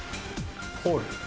ホール。